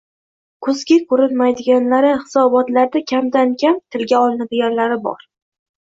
«ko‘zga ko‘rinmaydigan»lari – hisobotlarda kamdan-kam tilga olinadiganlari bor.